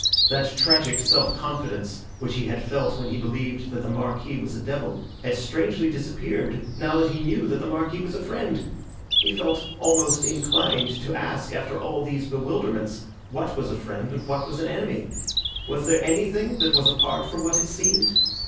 That tragic self confidence which he had felt when he believed that the Marquis was a devil had strangely disappeared now that he knew that the Marquis was a friend. He felt almost inclined to ask after all these bewilderments what was a friend and what an enemy. Was there anything that was apart from what it seemed?